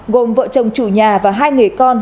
gồm vợ chồng chủ nhà và hai nghề con